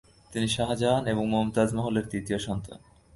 তিনি শাহজাহান এবং মুমতাজ মহলের তৃতীয় সন্তান।